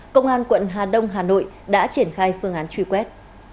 công an quận hà đông hà nội đã triển khai phương án truy quét